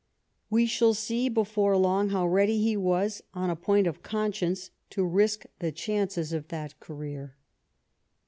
We shall see before long how ready he was, on a point of conscience, to risk the chances of that career.